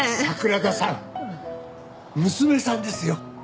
桜田さん娘さんですよ。